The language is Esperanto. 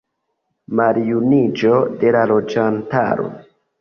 Maljuniĝo de la loĝantaro.